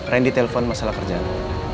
randy telepon masalah kerjaan